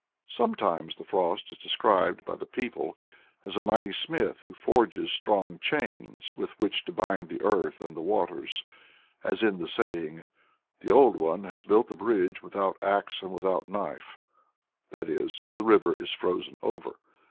" Sometimes the Frost is described by the people as a mighty smith who forges strong chains with which to bind the earth and the waters as in the saying "The Old One has built a bridge without axe and without knife," i.e., the river is frozen over.